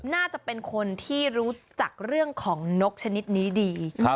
น่าจะเป็นคนที่รู้จักเรื่องของนกชนิดนี้ดี